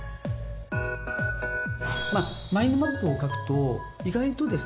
マインドマップを描くと意外とですね